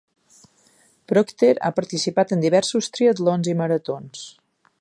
Procter ha participat en diversos triatlons i maratons.